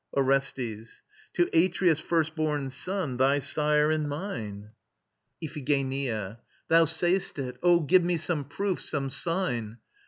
ORESTES. To Atreus' firstborn son, thy sire and mine. IPHIGENIA. Thou sayst it: Oh, give me some proof, some sign!